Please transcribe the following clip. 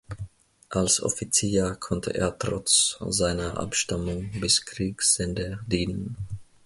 Als Offizier konnte er trotz seiner Abstammung bis Kriegsende dienen.